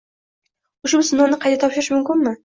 ushbu sinovni qayta topshirish mumkinmi?